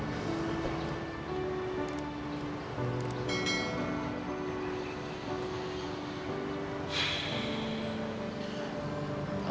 apa kamu bisa dipercaya